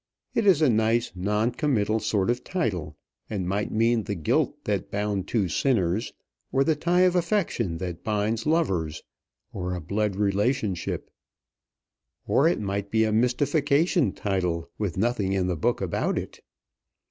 It is a nice, non committal sort of title, and might mean the guilt that bound two sinners, or the tie of affection that binds lovers, or a blood relationship, or it might be a mystification title with nothing in the book about it.